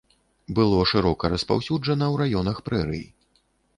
Было шырока распаўсюджана ў раёнах прэрый.